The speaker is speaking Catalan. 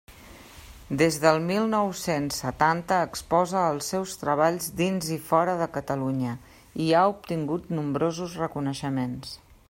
Des del mil nou-cents setanta exposa els seus treballs dins i fora de Catalunya, i ha obtingut nombrosos reconeixements.